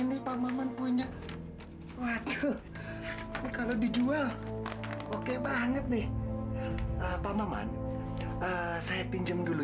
ini pak maman punya waduh kalau dijual oke banget nih pak maman saya pinjam dulu